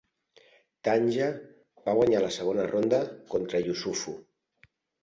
Tandja va guanyar la segona ronda contra Issoufou.